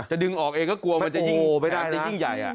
จะดึงออกเองก็กลัวมันจะยิ่งใหญ่